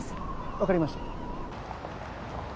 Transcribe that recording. わかりました。